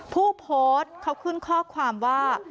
ผู้โพสต์เขาขึ้นข้อความว่า